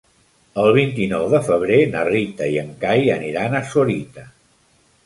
El vint-i-nou de febrer na Rita i en Cai aniran a Sorita.